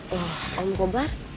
loh om kobar